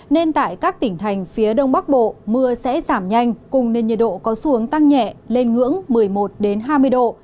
nên tại các tỉnh thành phía đông bắc bộ mưa sẽ giảm nhanh cùng nền nhiệt độ có xuống tăng nhẹ lên ngưỡng một mươi một hai mươi độ